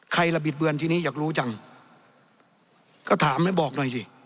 ใครระบิดเบือนทีนี้อยากรู้จังก็ถามให้บอกหน่อยสิ